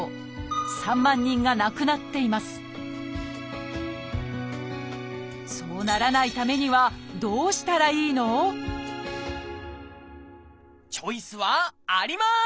３万人が亡くなっていますそうならないためにはチョイスはあります！